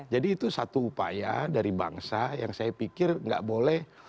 jadi itu satu upaya dari bangsa yang saya pikir enggak boleh